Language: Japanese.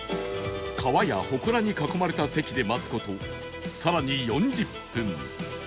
川やほこらに囲まれた席で待つ事更に４０分